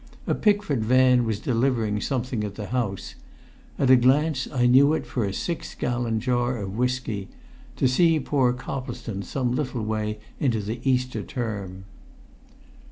A Pickford van was delivering something at the house. At a glance I knew it for a six gallon jar of whisky to see poor Coplestone some little way into the Easter term.